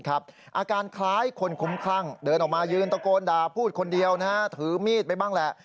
อาการคล้ายคนคุ้มคลั่งเดินออกมายืนตะโกนด่าพูดคนเดียวถือมีดไปบ้างแหละ